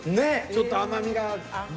ちょっと甘みがある。